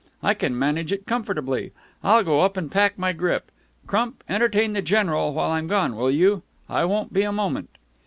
I can manage it comfortably. I'll go up and pack my grip. Crump, entertain the General while I'm gone, will you? I won't be a moment."